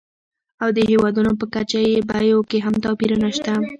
او د هېوادونو په کچه یې بیو کې هم توپیرونه شته.